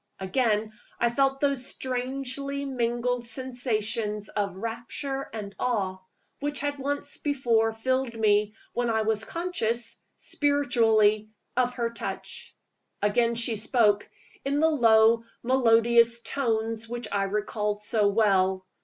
Again I felt those strangely mingled sensations of rapture and awe, which had once before filled me when I was conscious, spiritually, of her touch. Again she spoke, in the low, melodious tones which I recalled so well.